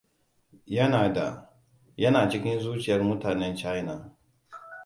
Yana da: yana cikin zuciyar mutanen China.